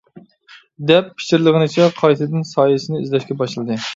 دەپ پىچىرلىغىنىچە قايتىدىن سايىسىنى ئىزدەشكە باشلىدى.